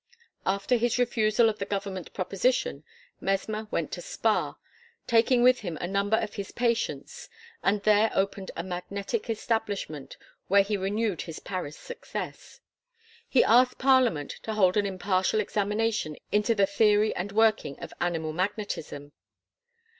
After his refusal of the Government proposition Mesmer went to Spa, taking with him a number of his patients, and there opened a magnetic establishment where he renewed his Paris success. He asked Parliament to hold an impartial examination into the theory and working of Animal Magnetism.